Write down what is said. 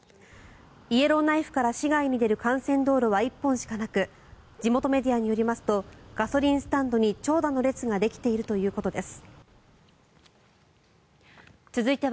イエローナイフから市外に出る幹線道路は１本しかなく地元メディアによりますとガソリンスタンドに長蛇の列ができているということです。